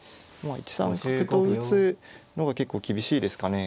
１三角と打つのが結構厳しいですかね。